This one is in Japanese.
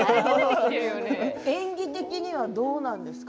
演技的にはどうなんですか。